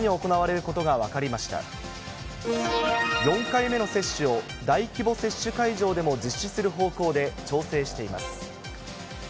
４回目の接種を大規模接種会場でも実施する方向で、調整しています。